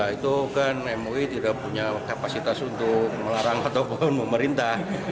itu kan mui tidak punya kapasitas untuk melarang ataupun memerintah